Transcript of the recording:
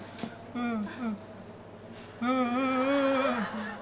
うん。